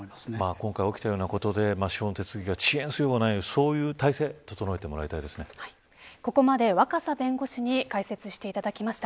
今回起きたようなことで司法の手続きが遅延することがないようにそういう体制をここまで若狭弁護士に解説していただきました。